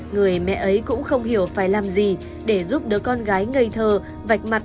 người mẹ ấy cũng không hiểu phải làm gì để giúp đỡ con gái ngây thơ vạch mặt